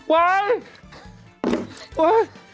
เว้ยอุ้ย